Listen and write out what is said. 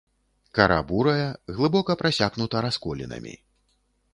Кара бурая, глыбока прасякнута расколінамі.